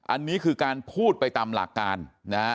อันนี้คือการพูดไปตามหลักการนะฮะ